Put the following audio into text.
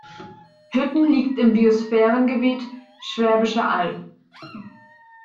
Hütten liegt im Biosphärengebiet Schwäbische Alb.